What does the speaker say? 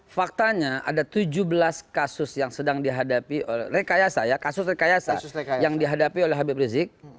faktanya ada tujuh belas kasus yang sedang dihadapi oleh kasus rekayasa yang dihadapi oleh habib rizik